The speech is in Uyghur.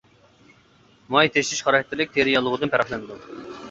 ماي تېشىش خاراكتېرلىك تىرە ياللۇغىدىن پەرقلىنىدۇ.